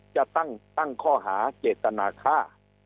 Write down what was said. จะตั้งข้อหาเจตนาฆ่า